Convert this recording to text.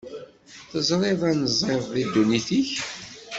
Teẓriḍ anziḍ di ddunit-ik?